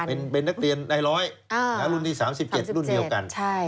เป็นเป็นนักเรียนในร้อยอ่ารุ่นที่สามสิบเจ็ดรุ่นเดียวกันใช่